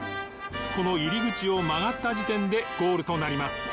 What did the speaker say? この入り口を曲がった時点でゴールとなります。